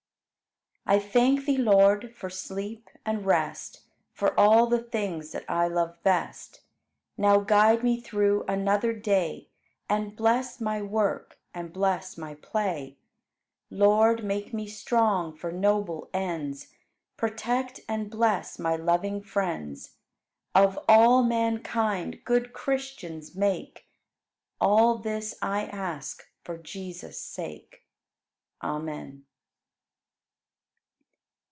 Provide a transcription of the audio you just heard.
9. I thank Thee, Lord, for sleep and rest, For all the things that I love best, Now guide me through another day And bless my work and bless my play. Lord, make me strong for noble ends, Protect and bless my loving friends; Of all mankind good Christians make. All this I ask for Jesus' sake. Amen.